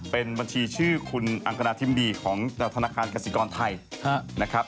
เป็นบัญชีชื่อคุณอังกณาทิมดีของธนาคารกสิกรไทยนะครับ